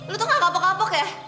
lu tuh gak kapok kapok ya